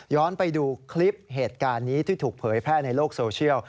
ไปดูคลิปเหตุการณ์นี้ที่ถูกเผยแพร่ในโลกโซเชียล